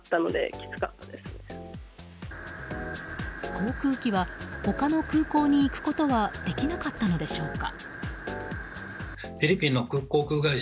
航空機は他の空港に行くことはできなかったのでしょうか。